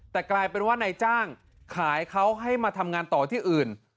แต่กลายเป็นว่านายจ้างขายเขาให้มาทำงานต่อที่อื่น